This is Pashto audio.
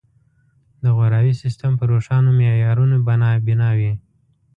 د غوراوي سیستم په روښانو معیارونو بنا وي.